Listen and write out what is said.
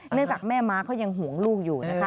เนื่องจากแม่มาร์คเขายังหวงลูกอยู่นะคะ